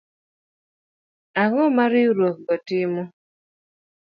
Ang'o ma Riwruogno timo